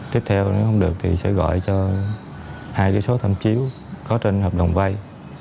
tiếp theo nếu không được thì sẽ gọi cho hai số thẩm chiếu có trên hợp đồng vay